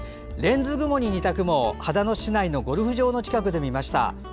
レンズ雲に似た雲を秦野市内のゴルフ場の近くで見ました。